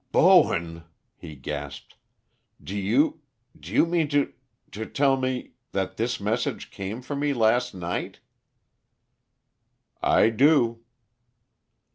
"Bowen," he gasped: "Do you do you mean to to tell me that this message came for me last night?" "I do."